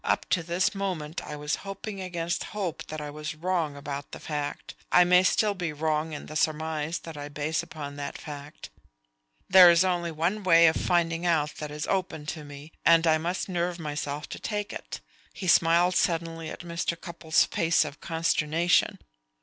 Up to this moment I was hoping against hope that I was wrong about the fact. I may still be wrong in the surmise that I base upon that fact. There is only one way of finding out that is open to me, and I must nerve myself to take it." He smiled suddenly at Mr. Cupples' face of consternation.